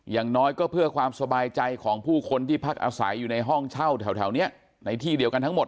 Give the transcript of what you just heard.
อย่างน้อยก็เพื่อความสบายใจของผู้คนที่พักอาศัยอยู่ในห้องเช่าแถวนี้ในที่เดียวกันทั้งหมด